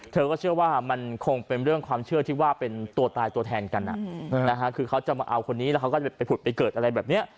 เธอก็เชื่อว่ามันคงเป็นเรื่องความเชื่อที่ว่าเป็นตัวตายตัวแทนกันคือเขาจะมาเอาคนนี้แล้วเขาก็จะไปผุดไปเกิดอะไรแบบนี้